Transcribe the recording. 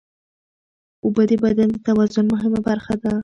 اوبه د بدن د توازن مهمه برخه ده.